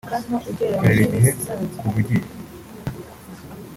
ukareba igihe ukuvugiye